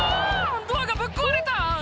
ドアがぶっ壊れた」